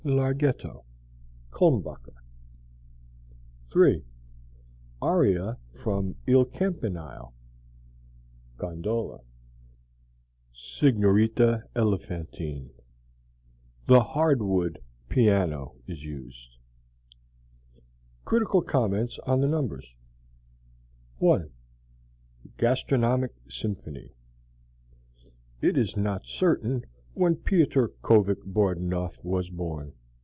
LARGHETTO Culmbacher III. ARIA FROM "IL CAMPANILE" Gondola (SIGNORINA ELEFANTINE) (The Hardwood Piano is used) CRITICAL COMMENTS ON THE NUMBERS I. Gastronomic Symphony. It is not certain when Ptior Kovik Bordunov was born.